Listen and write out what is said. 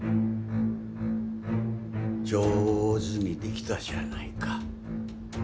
上手にできたじゃないか。